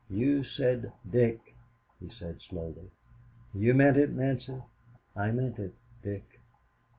"You said 'Dick,'" he said slowly. "You meant it, Nancy?" "I meant it Dick."